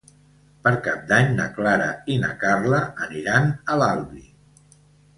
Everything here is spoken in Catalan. Per Cap d'Any na Clara i na Carla aniran a l'Albi.